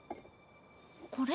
これ？